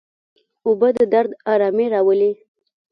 اوبه د درد آرامي راولي.